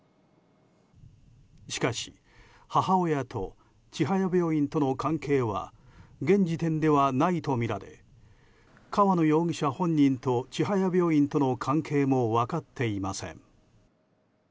しかし、母親と千早病院との関係は現時点ではないとみられ川野容疑者本人と千早病院との関係も分かっていません。